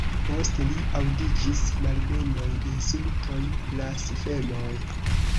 Post li aŭdiĝis malbenoj, insultoj, blasfemoj!